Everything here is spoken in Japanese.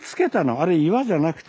あれ岩じゃなくて。